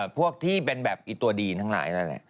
พวกที่เป็นแบบตัวดีทั้งหลาย